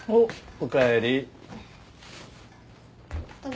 おかえり。